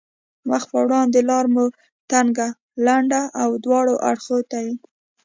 مخ په وړاندې لار مو تنګه، لنده او دواړو اړخو ته یې.